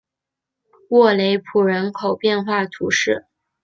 沃雷普人口变化图示